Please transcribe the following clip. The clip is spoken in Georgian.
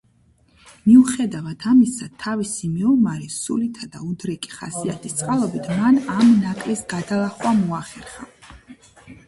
მიუხედავად ამისა, თავისი მეომარი სულითა და უდრეკი ხასიათის წყალობით მან ამ ნაკლის გადალახვა მოახერხა.